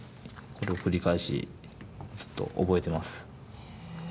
これを繰り返しずっと覚えてます。